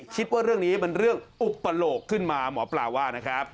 คิดว่าเรื่องนี้เป็นเรื่องอุปโลกขึ้นมาหมอปลาว่านะครับ